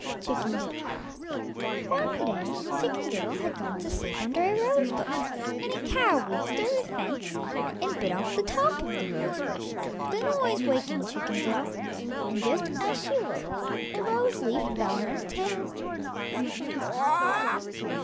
CHICKEN DIDDLE One day Chicken diddle had gone to sleep under a rose bush, and a cow reached over the fence and bit off the top of the rose bush. The noise wakened Chicken diddle, and just as she woke a rose leaf fell on her tail.